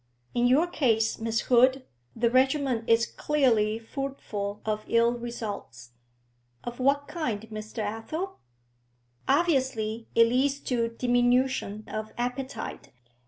In your case, Miss Hood, the regimen is clearly fruitful of ill results.' 'Of what kind, Mr. Athel?' 'Obviously it leads to diminution of appetite.